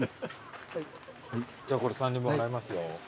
じゃあこれ３人分払いますよ。